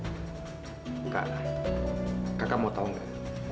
bukalah kakak mau tau gak